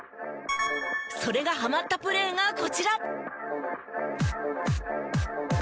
それがハマったプレーがこちら。